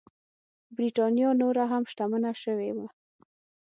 برېټانیا نوره هم شتمنه شوې وه.